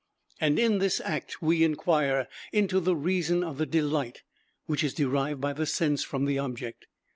And in this act we inquire into the reason of the delight which is derived by the sense from the object.